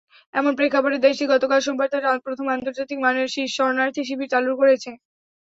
এমন প্রেক্ষাপটে দেশটি গতকাল সোমবার তার প্রথম আন্তর্জাতিক মানের শরণার্থীশিবির চালু করেছে।